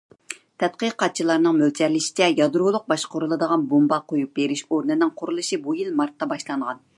تەتقىقاتچىلارنىڭ مۆلچەرلىشىچە، يادرولۇق باشقۇرۇلىدىغان بومبا قويۇپ بېرىش ئورنىنىڭ قۇرۇلۇشى بۇ يىل مارتتا باشلانغان.